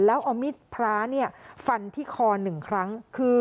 แล้วเอามีดพระฟันที่คอ๑ครั้ง